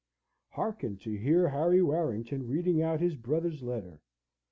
Hearken to Harry Warrington reading out his brother's letter!